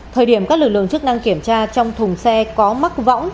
thời điểm các lực lượng chức năng kiểm tra trong thùng xe có mắc võng